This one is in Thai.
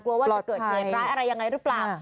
กลัวว่าจะเกิดเหตุร้ายอะไรยังไงหรือเปล่า